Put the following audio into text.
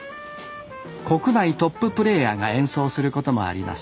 国内トッププレーヤーが演奏することもあります